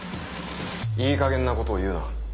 いいかげんなことを言うな。